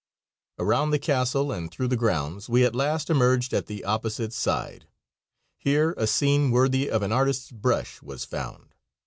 Around the castle and through the grounds we at last emerged at the opposite side. Here a scene worthy of an artist's brush was found.